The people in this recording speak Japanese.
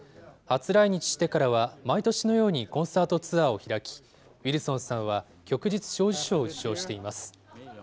初来日してからは、毎年のようにコンサートツアーを開き、ウィルソンさんは旭日小綬章を受章しています。